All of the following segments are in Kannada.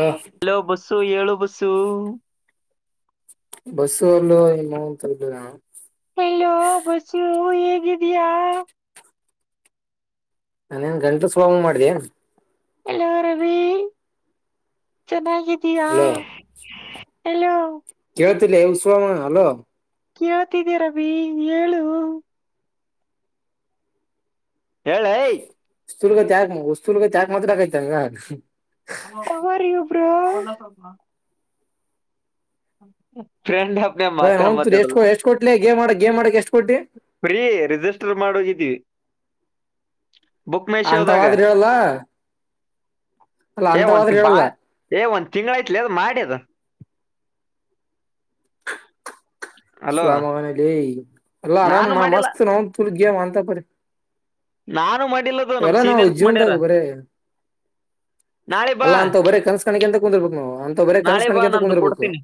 ಹ ಎಲೋ ಬಸ್ಸು ಏಳು ಬಸ್ಸು ಬಸ್ಸು ಅಲ್ಲೋ ಹಲೋ ಬಸ್ು ಹೇಗಿದಿಯಾ ನಾನೇನ್ ಗಂಟಲು ಸುಲಂಗ್ ಮಾಡ್ದ ಎಲ್ಲ ರವಿ ಚೆನ್ನಾಗಿದ್ದಯಾ ಅಲೋ ಹಲೋ ಕೇಳ್ ಉಷವಾಮ ಹಲ ಕೇಳ್ತಿದ್ದಿ ರವಿ ಹೇಳು ಹೇಳೈ [unintelligible] [unintelligible] [unintelligible] ತೊಗರಿ ಒಬ್ರು ಹ [unintelligible] ಬ್ ಎಷ್ಟ ಎಷ್ಟ ಕೊಟ್ಲಿ ಲೇ ಗೇಮ್ ಮಾಡಕ್ ಗೇ ಮಾಡಕ್ ಎಷ್ಟ್ ಕೊ ಫ್ರೀ ರಿಜಿಸ್ಟರ್ ಮಾಡೋಗಿದ್ದೀವಿ ಶೋದಾಗ ಅಂತವಾದರಿರಾಲ್ಲ್ವಾ ಏ ಒಂತ ಬಾ ಏ ಒಂದ ತಿಂಗಳ ಐತ್ಲಿ ಅದ್ ಮಾಡಿ ಅದ ಅಲೋ ಸಾಮನಲಿ ಎಲ್ಲ ಆರಾಮ್ ನಾನು ಮಾಡಿಲ್ಲ ಮಸ್ತ್ ನ ತು ಗ ಅಂತ ಪ ನಾನು ಮಾಡಿಲ್ಲದು ನಮ ಸೀನಿಯರ್ಸ್ ಮಾಡ್ಯಾರ ನಾಳೆ ಬಾ ಅಲ್ಲ ಅಂತ ಬರೇ ಕನ್ಸ್ಕಾಣಕ್ಕೆ ಎಂತ ಕುಂದಿರ್ಬೇಕು ನಾವು ಅಂತ ಬರ ನಾಳೆ ಬಾ ಕನ್ಸಕಾಣಿಕ ಅಂತ ನಂದು ಕುಂದಿರ್ಬೇಕು ಕೊಡ್ತೀನಿ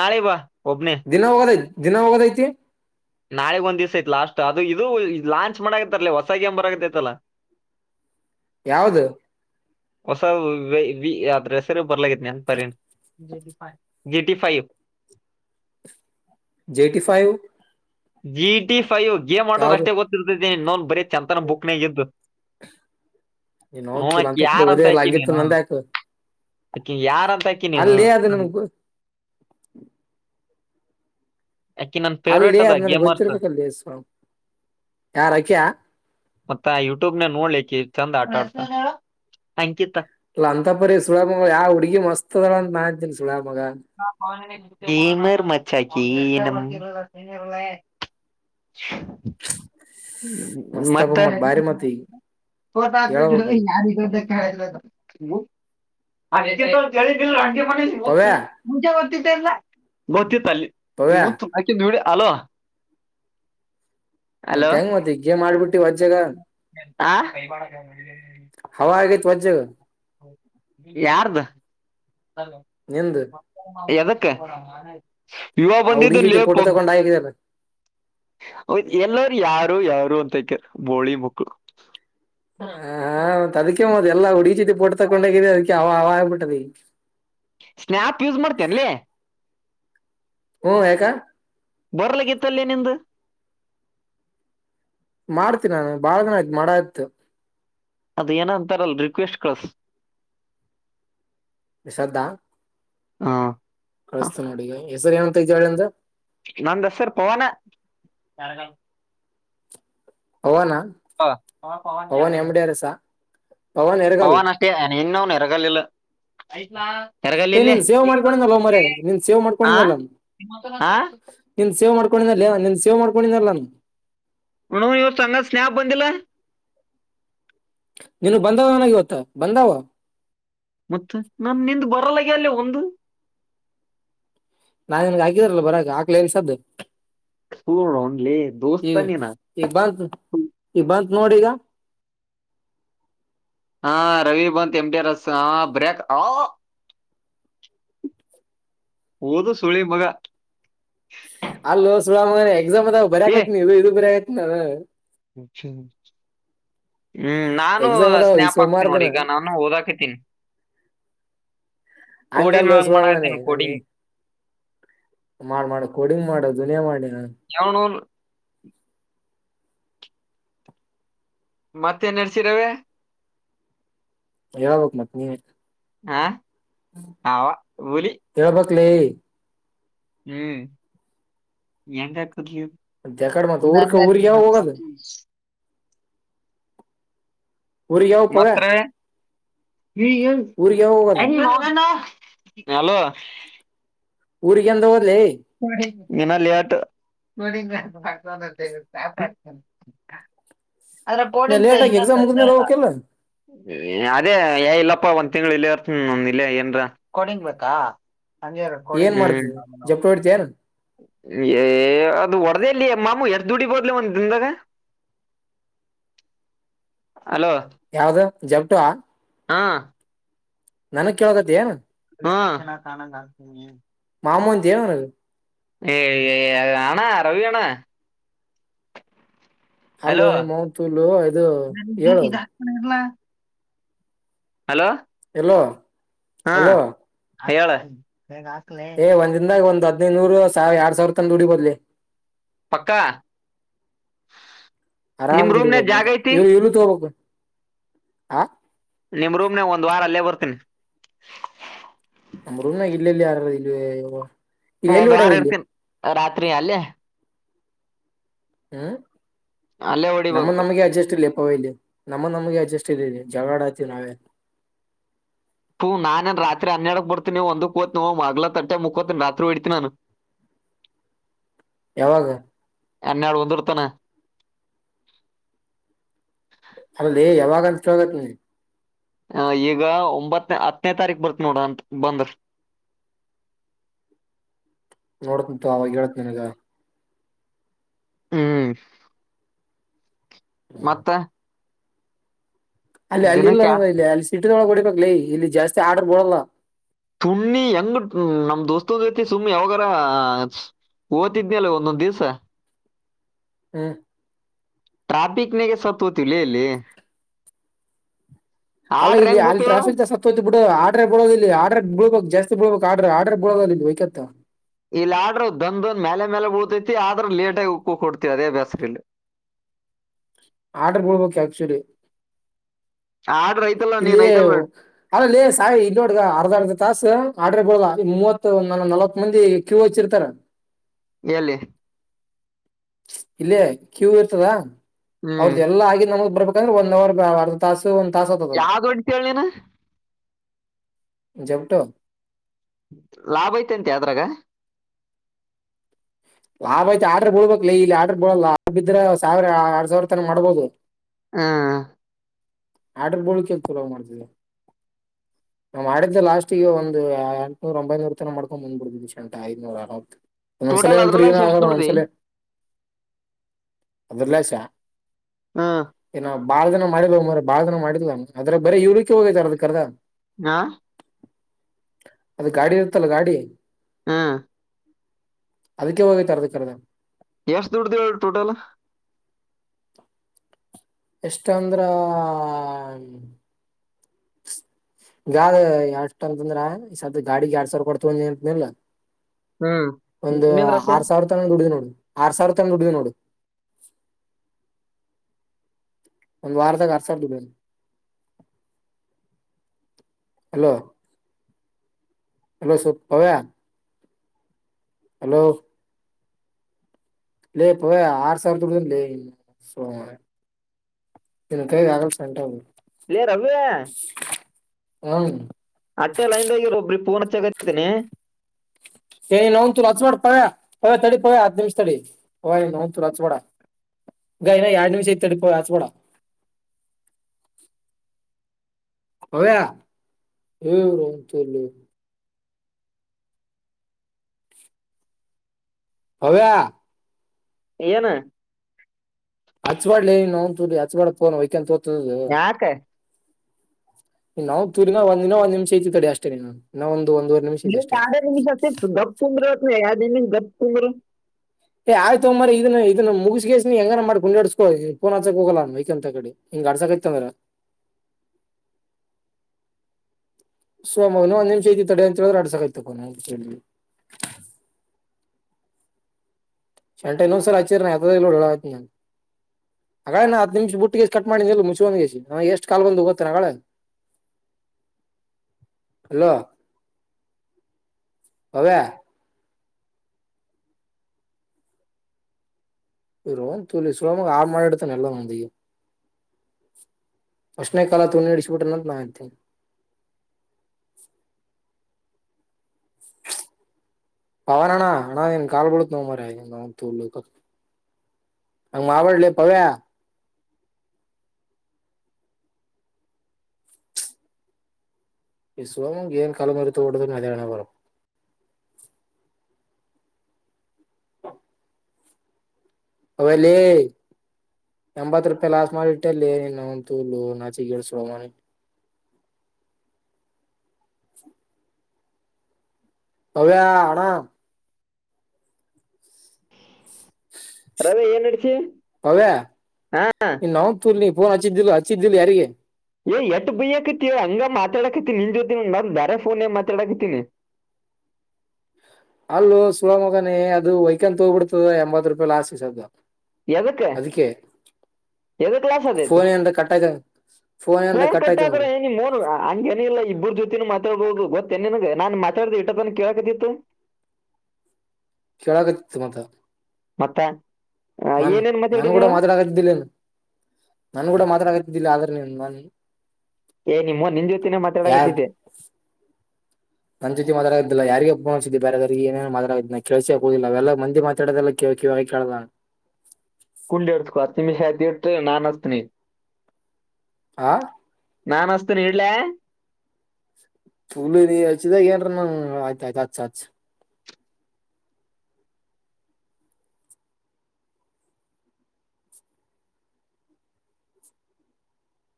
ನಾಳೆ ಬಾ ಒಬ್ನೇ ದಿನ ಹೋಗೋದ ದಿನ ಹೋಗೋದೈತಿ ನಾಳಗ್ ಒಂದ್ ದಿವ್ಸ ಐತ್ ಲಾಸ್ಟ್ ಅದು ಇದು ಲಾಂಚ್ ಮಾಡಕತ್ತರ್ಲ ಹೊಸಾಗಿ ಎ ಬರತ್ತತಲ್ಲಾ ಯಾವ್ದ ಹೊಸ ವಿ ಅದ್ರ್ ಹೆಸ್ರೇ ಬರಲಾಗದ ನೆನಪು G T five G T five G T five game ಆಟೋ್ ಅಷ್ಟೇ ಗೊತ್ತಿರ್ತ ಇನ್ನೊ ಬರ ಚಂತನ ಬುಕ್ನ ಇದದ್ದು ನೀನ್ ಹೋಗ್ತಿಲ್ಲ ಹೋಕಿ ಅಂತ ಪರಿ ಓದೇ ಯಾರಂತ ಇಲ್ಲ ಅಕಿ ಹಂಗಿತ್ತು ನೀನು ನಂದ್ಯಾಕ ಅಕಿ ಯಾರಂತಕಿ ನೀನು ಅಲ್ಲಿ ಅದು ನನ್ಗ್ ಗೊ- [unintelligible] ಯಾಕಿ ನನ್ನ ಫೇವ್ರೇಟ್ ಅಲ್ಲಿ ಅದ ಅದ್ ಗೇ ನನ್ಗ್ ಮರ್ಸ್ ಗೊತ್ತಿರ್ಬೇಕಲ್ಲಿ ಸ್ವಾಮಿ. ಯಾರ ಅಕ್ಯಾ ಮತ್ತ ಆ ಯೂಟ್ಯೂಬ್ನ ನೋಡ್ಲಿಕ್ಕೆ ಚಂದ ಆಟ ಆ ಅಂಕಿತ ಅಲ್ಲ ಅಂತಪ್ಪರಿೀ ಸುಳ ಯಾವ ಹುಗಿ ಮಸ್ತ್ದಳ ಅಂತ ಮಾಡತಿನಿ ಸುಳ ೀಮರ್ ಮಚಾಕಿ [unintelligible] [unintelligible] [unintelligible] ಹ್ಮ ಮಸ್ತ್ ಅಪ ಮತ್ತೆ ಮತ್ ಬಾರಿ ಮತ್ ಈಗ ಹೇಳ್ಬೇಕ್ ಈಗ [unintelligible] ಪವ್ಯ [unintelligible] [unintelligible] ಗೊತ್ತಲ್ಲ ಗೊತ್ತಿತ್ತ ಅಲ್ಲಿ ಪವ್ಯ ಮು ಹಾಕಿ ನೋಡಿ ಅಲೋ ಮತ್ತ ಅಲೋ ಹೆಂಗ ಮತ್ ಈಗೇ ಮಾಡ್ಬಿಟ್ಟಿ ವಜ್ಜಾಗ ಆ ಹವ ಆಗ ತವ ಜೆಗ ಯಾರ್ದ ನಿಂದ್ ಎದೂಕು [unintelligible] ಇವಾಗ ಆ ಹುಡ್ಗಿ ಬಂದಿದ್ದು ಜೊತೆ ಲೇಪ್ ಫೋಟೋ ತಗೊಂಡ್ ಆಗಿದಲ್ಲ ಎಲ್ಲ ಯಾರು ಯಾರು ಅಂತಕಾರ ಬೋಳಿ ಮಕ್ಕಳು ಹ ಅದಕೇ ಮದ ಎಲ್ಲಾ ಉಡಿಚಿದ್ದ ಪಟ್ಟ ತಕೊಂಡೋಗಿದೆ ಅದಕ್ಕೆ ಅವ ಅವಾಗ್ಬಿಟ್ಟದ ಸ್ನಾಯಪ್ ಯೂಸ್ ಮಾಡ್ತೇನ್ಲ ಹ್ಮ್ ಯಾಕ ಬರ್ಲ ಗಿತ್ತಲ್ಲಿಯ ನಿಂದು ಮಾಡ್ತೀನಿ ನಾನು ಬಾಳ ಜನ ಆಯ್ತು ಮಾಡ ಆಯ್ತು ಅದ ಏನ ಅಂತಾರಲ್ ರಿಕ್ವೆಸ್ಟ್ ಕಳಸ್ ವಿಶ್ಧಾ ಹಾ ಕಳಿಸ್ತ ನೋಡಿ ಈಗ ಹೆಸರು ಏನಂತ ಇದ್ದಾಳಿಂದ ನನ್ ಹೆಸರು ಪವನ ಪವನ ಹ ತ Pavan M D [unintelligible] R S Pavan ಅಷ್ಟೇ ಇನ್ನ ಅವ್ನು ಇರಗಾಲಿಲ್ಲ ಏ ತಿರಗಲ್ಲಲ್ಲೇ ನೀನ್ ಸೇವ್ ಮಾಡ್ಕೊಂಡಿದ್ದಲ್ಲ ಮರೆ ನಿನ್ ಸೇವ್ ಆ ಮಾಡ್ಕೊಂಡಿದ್ದಲ್ಲ ಹಾ ಸೇವೆ ಮಾಡ್ಕೊಂಡಿದ ಅೇ ನಿ ಸೇವೆ ಮಾಡ್ಕೊಂಡಿದ್ದಲ್ಲ ನಾನು [unintelligible] ಸ್ನಪ್ ಬಂದಿಲ್ಲ ನಿನ್ಗ್ ಬಂದವ ನನಗೆ ಗತ್ತ ಬಂದಾವ ಮತ್ತ ನಾ ನಿಂದು ಬರಲ್ಲಗೆ ಅಲ್ಲಿ ಒಂದು ನಾನ್ ನಿನ್ಗೆ ಆಗಿದಾರಲ್ಲ ಬರಕ ಆಗ್ಲ ಎಲ್ಸದ್ದು ಸುಳ್ಳಿ ಈ ದೋಸ್ತ ನೀನ ಈ ಬತ್ ಈ ಬಂತ ನೋಡಿಗ ಹಾ ರವಿ ಬತ್ [unintelligible] ರಸ್ ಹ ಬ್ರೇಕ್ ಹಓದು ಸುಳಿ ಮಗ ಅಲ್ಲ ಸು ಮ ಎಕ್ಸಾಮ್ ಅದಾವ ಬರಕೈತ್ನ ಇದು ಇದು ಬರಿಯಕತ್ತಿ ನ ಹ ಹ್ಮ್ ನಾನು ಎಕ್ಸಾಮ್ ಅದಾವ ಈ ಸ್ನ್ಯಪ್ ಸೋಮವಾರ ಆಕ್ತೀನಿ ದಿನ ನೋಡಿ ಈಗ ನಾನು ಓದಕತೀನಿ ಆಕಾಲ ಮಾಡಕತ್ತೀನಿ ಕೋಡಿಂಗ್ [unintelligible] ಮಾಡ್ ಮಾಡ ಕೊಡಿಂಗ್ ಮಾಡ ದುನಿಯಾ ಮಾಡಿ ಜವನೂರು ಮತ್ತೇ ನಡ್ಸಿರವೇ ಹೇಳಬೇಕು ಮತ್ತೆ ನೀನೆ ಹಾ ಹವಾ ಬೂಲಿ ಲೇ ಹ್ಮ್ ಎಂದ ಡೆಕಾಡ್ ಮತ್ ನ ಊರ್ಕ ಊರಿಗೆ ಯಾವಾಗ ಹೋಗೋದು [unintelligible] ಊರಿ ಯಾವಾಗ್ [unintelligible] ಹ ಹೋಗೋದು ಅಲೋ ಊರಿಗೆಂತ ಹೋದ್ಲಿ ಸರಿ ಇನ್ನು ಲೆಟ್ ಆದ್ರೆ ನಾ ಕೋಡಿಂಗ್ ಲೇಟ್ ಆಗಿ ಇನ್ನೂ ಎಕ್ಸಾಮ್ ತ ಮುಗಿದ್ಮೇಲೆ ಇಲ್ಲ ಹೋಗ್ಬೇಕಿಲ್ಲ ಅದೇ ಇಲ್ಲಪ್ಪಾ ಒಂದ್ ತಿಂಗ್ಳ ಇಲ್ಲ ಇರ್ತನ್ ನ ಇಲ್ಲ ಏನ್ರ ಕೊಡಿಂಗ್ ಬಾ ಹ ಏನ್ ಮಾಡ್ತಿದ್ದೆ ಜಪ್ಟು ಹೊಡಿತೇನು ಅದು ಹೊ ಇಲ್ಲಿ ಮಾಮೂ ಎರ ದುಡಿಬೋದ್ಲಿ ಒಂದ ದಿನದಾಗ ಹಲೋ ಜಪಟು ಹಾ ನನಕ್ಕೆ ಹೋಗದಯ ಹ ಾ ಕಾನಾ ಗಲ್ತ ಮಾಮೂ ದೇವನದು ಏಏ ಅದಣ ರವಿಣ ಅಲ್ಲೋ ಹಲೋ ನಿಮ್ಮ ಮಾವನ್ ತುಲ್ಲು ಇದು ಹೇಳು ಇದಲ ಹಲೋ ಹಲೋ ಹಲೋ ಅಯಾಳ ಏ ಒಂದ್ಿಂದಾಗ ಒಂದ್ ಹದ್ನೈದುನೂರು ಸಾವ ಎರಡ್ ಸಾವಿರ ತಂದ ಡಿ ಬದ್ಲಿ ಪಕ್ಕಾ ಆರಾಮ್ ನಿಮ್ ರೂಮ್ನ ಕುದುಡಿಬಹದ್ ಜಾಗ ನೀನು ಐತಿ ಇವ್ ಇಳ ತ ಹೋಗಬೇಕು ಆ ನಿಮ್ ರೂಮ್ನೆ ಒಂದ್ ವಾರ ಅಲ್ಲೇ ಬರ್ತೀನಿ ನಮ್ರೂನ ಇಲ್ಲೆಲ್ಲಿ ಯಾರಾರ ಇ ಒಂದ್ ವಾರ ಇರ್ತೀನಿ ರಾತ್ರಿ ಅಲ್ಲೇ ಹ್ಮ್ ಅಲ್ಲೇ ನಮ್ಮ ಹೊಡಿಬೇಕು ನಮಗೆ ಅಡ್ಜಸ್ಟ್ ಲೆಪ್ ಓ ಇಲ್ಲ ನಮ್ಮ ನಮಗೆ ಅಡ್ಜಸ್ಟ್ ಜಗಡಾತಿ ನಾವೇ ಹೂ ನಾೇನ್ ರಾತ್ರಿ ಹನ್ನೆಡಕ್ ಬತೀನಿವು ಒಂದ ಕೋ್ವು ಮಲ ತಟೆ ಮು ಕೋತಿನಿ ರತ್ರಿ ಹ ಇಡ್ತಿನಿಾನು ಯಾವಾಗ ಎೆ ಅಳ ಒಂದುರ್ತಾನ ಅಲ್ಲದೇ ಯಾವಾಗ ಅನ್ಿಸ ಆೋಗತ್ ಹ ಈಗ ಒಂಬತ್ತ ಹತ್ತನೇ ತಾರೀಕ್ ಬರ್ತ್ ನೋಡ ಅಂತ ಬಂದ ನೋಡ್ತನಂತು ಅವಾಗ ಹೇಳೇತ್ ನನ್ಗ ಹ್ಮ್ ಮತ್ತೆ ಅಲ್ಲಿ ಅಲ್ಲಿ ಇಲ್ಲ ಇಲ್ಲಿ ಅಲ್ಲಿ ಸಿಟಿದೊಳ ಹೊಡಿಬೇಕಕ್ ಲೈ ಇಲ್ಲಿ ಜಾಸ್ತಿ ಆಡರ್ ಬಡಲ್ಲ ಸುಣ್ಣಿ ಹೆಂಗ ನಮ್ ದೋಸ್ತ ಜೊತೆ ಸುಮ್ಮ್ನೆ ಯಾವಾಗಾರ ಓ್ತಿದನಿ ಅಲ್ಲ ಒಂದೊಂದ್ ದಿವ್ಸ ಹ್ಮ ಟ್ರಾಫಿಕ್ ನಾಗ ಸತ್ತಲ್ಲ ಇಲ್ಲಿ ಅಲ್ಲ ಆಡ್ರ ಇಲ್ಲಿ ಹೆಂಗ್ ಅಲ್ಲಿ ಬೀಳ್ತೇವ ಟ್ರಾಫಿಕ್ ಸ ಬಿಡ ಆಡ್ರ ಬಿಡೋ ಇಲ್ಲಿ ಆಡ್ರಗ್ ಬಿಬೇಕಕ್ ಜಾಸ್ತಿ ಬಬೇಕು ಆರ್್ರ ಆರ್ಡರ್ ಬಳ ಇ ವೈಕತ್ತಾ ಇಲ್ಲಿ ಆಡ್ರ ದನ್ ದನ್ ಮೇಲೆ ಮೇಲೆ ಓತೈತಿ ಆದ್ರ ಲೇಟ ಆಗ ಕೊಡ್ತಿವಿ ಅದೇ ಅಭ್ಯಾಸ್ರಲ್ಲಿ ಆರ್ಡರ್ ಬಳ್ಬೇಕು ಆಕ್ಚುಲಿ ಆಡ್ರ ಐತಲ್ಲ ಇಲ್ಲಿ ನೀನ್ ಐತಲ್ಲ ಅಲ್ಲಲ್ಲಿ ಸಾಯಿ ಇಲ್ಲಿೋಡ್ಗ ಅರ್ಧ ತಾಸ ಆರ್ಡ್ರ ಕೊಲ್ಲ ಮೂವತ್ ನಲವತ್ ಮಂದಿ ಕ್ಯೂ ಹಚ್ಚಿರ್ತಾರೆ ಎಲ್ಲಿ ಇಲ್ಲೇ ಕ್ಯೂ ಇರ್ತದ ಹ್ಮ್ ಅವ್ರದ್ದ ಎಲ್ಲಾ ಆಗಿ ನಮಗ್ ಬರ್ಬೇಕಂದ್ರೆ ಒಂದ್ ಅವರ್ ತಾಸ ಒ ತಾಸವತ ಯಾವ್ದು ಹೊಡಿತಿ ಹೇಳಿ ನೀನ್ ಜಮಟು ಲಾಭ ಐತೆ ಅಂತೆ ಆದದ್ರಾಗ ಲಾಭ ಆಯ್ತು ಆರ್ಡರ್ ಬಳ್ಬೇಕಲ ಇಲ್ಲಿ ಆರ್ಡರ್ ಬಳಲ್ಲಿದ್ರ ಸಾವಿರ ಆರಡ್ ಸಾವಿರ ತನ ಮಾಡ್ಬೋದು ಹಾ ಆಡರ್ ಬಳಕನ್ ತಲ ಮಾಡ್ತಿದೆ ನಾ್ ಮಾಡಿದಿದ್ದ ಲಾಸ್ಟ್ಟಗ ಒಂದು ಎಂಟ್ನೂರ ಒಂಬೈನೂರ ತರ ಮಾಡ್ಕೊಂಡು ಬಂದ್ಬಡ್ಿದಿ ಶಂಟ ಐ್ನೂರ ಅೂ ಸಲ ಟೋಟಲ್ ನಂತರ ಅದ್ರಲ್ಲ ಏನು ಎಷ್ಟ್ ಆರ ದುಡ್ದಿ ಒಂದ್ಸಲ ಅದ್ರಲಷ ಹಾ ಬಾಳ ದನ ಮಾಡ್ವ ಮ ಬಾಳ ದನ ಮಾಡಿದ್ವ ಅ ಬರೀ ಇವ್ಲಿಕ್ಕೆ ಹೋಗ್ತ ಅದ ಕರ್ದ ಹಾ ಅದ ಗಾಡಿ ಇರ್ತ್ತಲ್ಲ ಗಾಡಿ ಹಾ ಅದಕ್ಕೆೇ ಹೋಗಿ ತರದ ಕದ ಎಷ್ಟ ದುಡ್ದ ಹೇಳಿ ಟೋಟಲ್ ಎಷ್ಟ ಅಂದ್ರ ಗ ಅದು ಎಷ್ಟ ಅಂತಂದ್ರ ಈ ಗಾಡಿಗೆ ಎರಡ್ ಸಾವಿರ ಕೊಡ್ತವಂತನಿಲ್ಲ ಹ್ಮ್ ಒಂದು ನಿಂದ್ರ ಅಷ್ಟೇ ಆರ್ ಸಾವಿರ ತನಂದ ಡಿದ ನೋಡಿ ಆರು ಸಾವಿರ ತಂಡ ಡುುದ ನೋಡು ಒಂದು ವಾರದರ್ಸರ್ ಹಲೋ ಹಲೋ ಸತ್ ಪಾವ್ಯಾ ಹಲೋ ಲ ಇ ಆರು ಸಾವಿ ತೋ ಇಲ್ ಕೇಗ ಆಗಲ್ಂಟ ಇ ರ ಅಭು ಹ್ಮ ಅಟ್ಟೆ ಲೈನ್ದಾಗಿ ಒಬ್ರಿ ಪೂನ್ ಹಚ್ಚೆಗತ್ತತೀನಿ ನವು ತು ಅಚವಾಡ ಪಾವ ಹ ತಡೆ ಪವ ಹತ್ತು ನಿಮಿಷ ತಡೆ ಹ ನ ತು ರಾಜಚವಾಡ ನ ಎರಡು ನಿಮಿಷ ಐ ತಡಿಪತ ಕೂಡ ಹವೇ ಹವ ರಾಮ ಚಲ್ಲ ಹಬ್ಬ ಇನ ಹಚ್ವಾಡ್ಲ ನಂತೂ ಹಚ್ವಾಡೋನು ವೈಕ ತೋತದದು ಯಾಕ ನಾವು ತೂರಿನ ಒಂದ್ನ ಒಂದ್ ನಿಮಿಷ ಐತಿ ತಡೆ ಅಷ್ಟೇ ಇನ್ನ ಒಂದ ಇ ಆಡ ನಿಮಶರ್ ಗಫ ತುಂಬ್ರತ್ತು ಯ ದನ ಗ ತುಂಬ್ರ ಏ ಆಯ್ತೊಮ್ಮ ಮರಿ ಇದನ್ನ ಇದನ್ನ ಮಗಸಗಸ ನೀ ಹೆಂಗನ ಮಾಡ್ ಕುಡಿಸಸ್ಕೊ ನ್ಚಕ್ ಹೋಗಲ್ಲ ನನ್ ವೈಕ್ ಅಂತ ಕಡೆ ಗಾಡಸ ಕಿತತ ಮರ ಸೋಮಗನು ಒಂದ್ ನಿಮಿಷ ಐತಿ ತಡೆ ಅಂತ ಹೇಳಿದ್ರೆ ಅಡ್ಸಕ್ ಆಯ್ತ ಕೊ ಶೂಂಟ ನೋವು ಸರ್ ಆಚಿರ್ ನ ಆ ಇಲ್ಲೋಢ ನ ಹಾಗಳೇ ನ ಹತ್ತು ನಿಮಿಷ ಬುಟ್ಟಿಗೆಷ್ಟ ಕಟ್ ಮಾಡಿ ಇಲ್ಲ ಮುಚು ಒ ಎಷ್ಟ ಕಾಲ್ ಬಂದು ಹೋಗ್ತೇನೆ ಅಳ [unintelligible] ಹಲೋ ಹವ್ಯಾ ರೋ ತೊಳ ಸುಲಮ ಆರು ಮಾಡಳ ಇಡದಲ್ಲಿ ನಲ್ಲ ಒಂದ ಅಷ್ಟನೇ ಕಾಲ ತು ನೀಡಿಸಬಿಟ್ಟ ನಂತ ನಿದ್ದೇನೆ [unintelligible] [unintelligible] ಪವನ ಅಣ್ಣ ಅಣ್ಣ ನೀನ್ ಕಾಲ್ ಬಿಲ್ತೀನೋ ಮಾರಾಯ ತಕ ಹ ಮಾಡ್ ಬೇಡ ಲೇ ಪವ್ಯ ಈ ಸುಳೇಮಗನಿಗೆ ಏನ್ ಕಾಲಮರು ತಗೊಂಡ್ ಹೋಡದರನು ಅದೇ ಹಣೆಬರಹ ಅವ್ವ ಲೇ ಎಂಬತ್ ರೂಪಾಯಿ ಲಾಸ್ ಮಾಡಿ ಇಟ್ಟಲ್ಲಿ ಏ ನಿಮ್ಮವ್ವನ ನಾಚಿಗೆಟ್ಟು ಸುಳೇ ಮಗನೆ [unintelligible] ಪವ್ಯ ಹಣ ರವಿ ಏನ್ ನಡ್ಸಿ ಪವ್ಯ ಲೇ ನಿಮ್ಮವನ ಪೋನ್ ಹಚ್ಚಿದ್ದಿಲ್ಲ ಹಚ್ಚಿದ್ದಿಲ್ಲ ಯಾರಿಗೆ ಏ ಎಟ್ ಬಯ್ಯಕತಿಯೋ ಹಂಗ ಮಾತಾಡಕತಿ ನಿನ್ ಜೊತೆ ನ ನಾನ್ ಬ್ಯಾರೆ ಫೋನ್ನ್ಯಾಗ ಮಾತಾಡಕತ್ತಿನಿ ಅಲ್ಲೋ ಸುಳೇ ಮಗನೇ ಅದು ವೈಕಂತ ಹೋಗ್ಬಿಡ್ತದ ಎಂಬತ್ತು ರೂಪಾಯಿ ಲಾಸ್ ಏದಕ ಅದಕ್ಕೆ ಎದಕ ಲಾಸ್ ಅದೈತಿ ಫೋನ್ ಏನ್ರ ಕಟ್ ಆಯ್ತ ಏನ್ರ ಫೋನ್ ಕಟ್ ಆಯ್ತ ಅಂದ್ರ ಕಟ್ಟಾದ್ರೆ ಏನ ಮೋನ್ ಹಂಗ ಏನ ಇಲ್ಲ ಇಬ್ಬ್ರ ಜೊತೆನ ಮಾ ಮಾತಾಡ್ಬೋದು ಗೊತ್ತೆ ನನ್ಗೆ ನಾನ್ ಮಾತಾಡ್ದ ಇಟ್ಟ ತನ್ ಕೇಳಕತಿತ್ತು ಕೇಳಾಗತಿತ್ತು ಮತ ಮತ್ತೆ ನನ್ ನಾನ ಕೂಡ ಮಾತಾತಿದ್ದಿಲ್ಲ ನನ್ ಕೂಡ ಮಾತಾಕತಿದ್ದಿಲ್ಲ ಆ ನೀನ್ ನನ್ ಏ ನಿಮ್ಮೊನಾ ನೀನ್ ಜೊತೆನ ಯಾರ್ ಮಾತಾಡಕತಿದ್ದೆ ನನ್ ಜೊತೆ ಮಾತರಾಗಿಲ್ಲ ಯಾರಿಗೆ ಹಬ್ಬಸಿದ್ದ ಬೇರೆಾದ್ರರಿಗೆ ಏನ ಮಾರಾಗಿದ ಕ ಕೆೇಳಸಿ ಆಗುದಿಲ್ಲ ಎಲ್ಲ ಮಂದಿ ಮಾತಡದೆಲ್ಲ ವೈಕೆ ವೈಕೆಲಲ್ಲ ಕುಂಡಿ ಇಡ್ತಕೋ ತಿ ಹೆತಿಟ ನನ್ಸ್ತನಿ ಆ ನಾನ್ ಹಸ್ತೇನೆ ಹಿಡ್ಲ್ಯಾ ಫಲ ಹಚಿದಾಗ ಏನ್ರ ನಂಗ ಆಯ್ತ ಆಯ್ತ ಹತ್ ಹಚ್